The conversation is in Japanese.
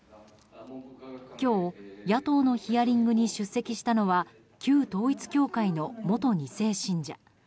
今日、野党のヒアリングに出席したのは旧統一教会の元２世信者。